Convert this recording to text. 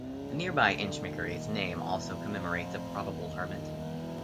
The nearby Inchmickery's name also commemorates a probable hermit.